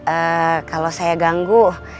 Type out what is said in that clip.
eh kalau saya ganggu